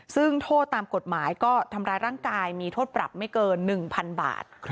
ซึ่งโทษตามกฎหมายก็ทำร้ายร่างกายมีโทษปรับไม่เกิน๑๐๐๐บาท